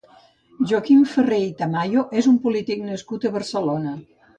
Joaquim Ferrer i Tamayo és un polític nascut a Barcelona.